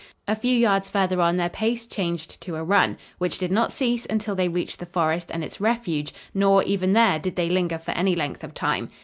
A few yards further on their pace changed to a run, which did not cease until they reached the forest and its refuge, nor, even there, did they linger for any length of time.